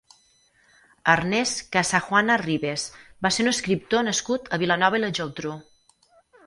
Ernest Casajuana Ribes va ser un escriptor nascut a Vilanova i la Geltrú.